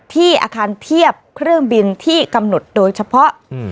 ที่อาคารเทียบเครื่องบินที่กำหนดโดยเฉพาะ